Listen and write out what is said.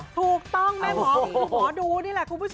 ถูกต้องแม่หมอดูนี่แหละคุณผู้ชม